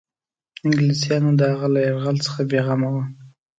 انګلیسیانو د هغه له یرغل څخه بېغمه وه.